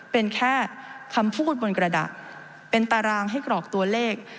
เป็นแค่คำพูดบนกระดาษเป็นตารางให้กรอกตัวเลข